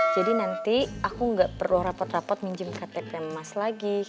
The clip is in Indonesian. jadi nanti aku gak perlu rapot rapot minjem ktpm mas lagi